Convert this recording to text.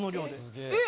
えっ？